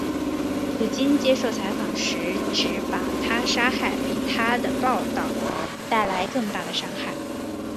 普京接受采访时指把她杀害比她的报导带来更大的伤害。